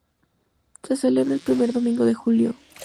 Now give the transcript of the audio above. Se celebra el primer domingo de julio.